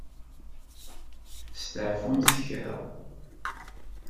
Steɛfumt kra.